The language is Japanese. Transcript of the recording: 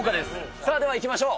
さあではいきましょう。